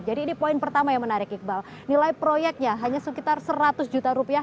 ini poin pertama yang menarik iqbal nilai proyeknya hanya sekitar seratus juta rupiah